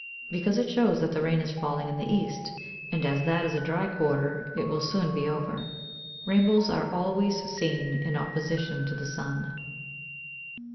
"_ Because it shows that the rain is falling in the East, and as that is a dry quarter, it will soon be over. Rainbows are always seen in opposition to the sun.